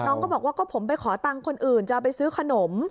ก็บอกว่าก็ผมไปขอตังค์คนอื่นจะไปซื้อขนม